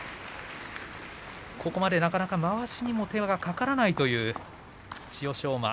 ここまでなかなかまわしにも手がかからないという千代翔馬。